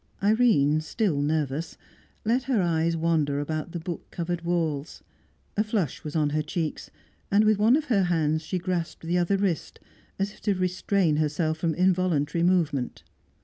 Irene, still nervous, let her eyes wander about the book covered walls; a flush was on her cheeks, and with one of her hands she grasped the other wrist, as if to restrain herself from involuntary movement.